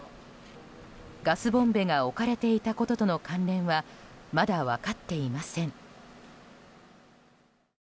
ガスボンベが置かれていたこととの関連はまだ分かっていません。